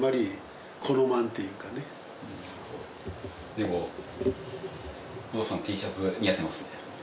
でもお父さんＴシャツ似合ってますね。